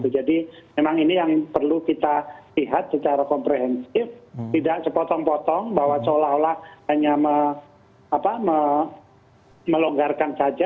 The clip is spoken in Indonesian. jadi memang ini yang perlu kita lihat secara komprehensif tidak sepotong potong bahwa seolah olah hanya melonggarkan saja